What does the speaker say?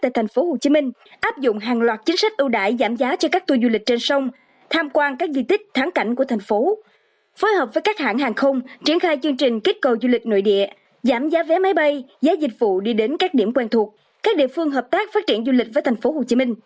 tại thành phố hồ chí minh áp dụng hàng loạt chính sách ưu đại giảm giá cho các tui du lịch trên sông tham quan các di tích tháng cảnh của thành phố phối hợp với các hãng hàng không triển khai chương trình kích cầu du lịch nội địa giảm giá vé máy bay giá dịch vụ đi đến các điểm quen thuộc các địa phương hợp tác phát triển du lịch với thành phố hồ chí minh